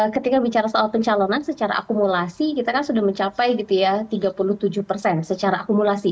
ketika bicara soal pencalonan secara akumulasi kita kan sudah mencapai gitu ya tiga puluh tujuh persen secara akumulasi